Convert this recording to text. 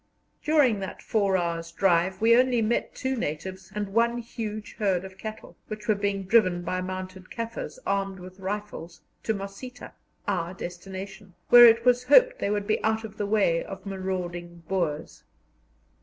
During that four hours' drive we only met two natives and one huge herd of cattle, which were being driven by mounted Kaffirs, armed with rifles, to Mosita, our destination, where it was hoped they would be out of the way of marauding Boers.